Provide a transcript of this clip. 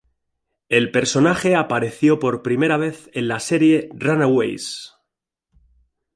El personaje apareció por primera vez en la serie "Runaways".